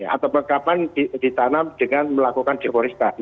atau kapan ditanam dengan melakukan geoporistasi